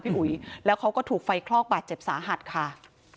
อุ๋ยแล้วเขาก็ถูกไฟคลอกบาดเจ็บสาหัสค่ะ